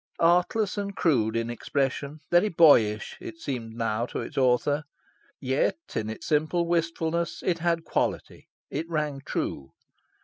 Artless and crude in expression, very boyish, it seemed now to its author. Yet, in its simple wistfulness, it had quality: it rang true.